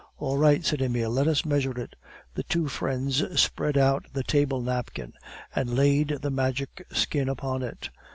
"All right," said Emile; "let us measure it!" The two friends spread out the table napkin and laid the Magic Skin upon it.